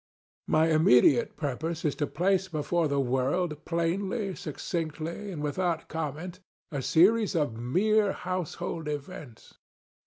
My immediate purpose is to place before the world, plainly, succinctly, and without comment, a series of mere household events.